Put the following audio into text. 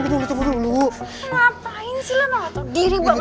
main sih lu gak ngomong sendiri buat mesin